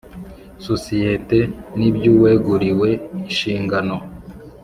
Sosiyete n iby uweguriwe inshingano